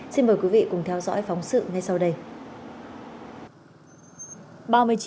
xin mời quý vị cùng theo dõi phóng sự ngay sau đây